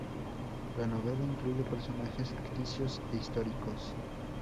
La novela incluye personajes ficticios e históricos.